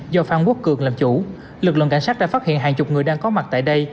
do phan quốc cường làm chủ lực lượng cảnh sát đã phát hiện hàng chục người đang có mặt tại đây